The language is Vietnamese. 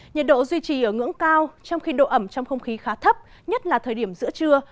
nhiệt độ duy trì ở ngưỡng cao trong khi độ ẩm trong không khí khá thấp nhất là thời điểm giữa trưa